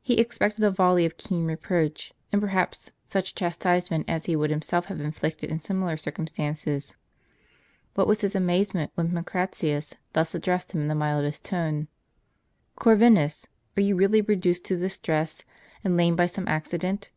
He expected a volley of keen reproach, and, perhaps, such chastisement as he would himself have inflicted in similar circumstances. What was his amazement when Pancratius thus addressed him in the mildest tone :" Corvinus, are you really reduced to distress and lamed by some accident?